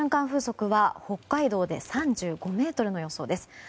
風速は北海道で３５メートルの予想です。